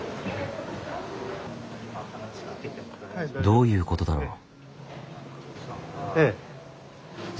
どういうことだろう？